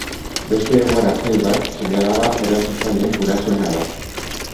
Beste egoera zail bat seme alaba erasotzaileen gurasoena da.